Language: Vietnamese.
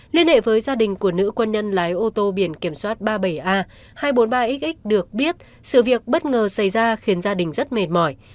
liên hệ với gia đình của nữ quân nhân lái ô tô biển kiểm soát ba mươi bảy a hai trăm bốn mươi ba x được biết sự việc bất ngờ xảy ra khiến gia đình rất mệt mỏi